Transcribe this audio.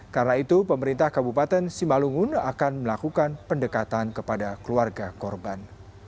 karena itu pemerintah kabupaten simalungun akan melakukan pendekatan kepada keluarga korban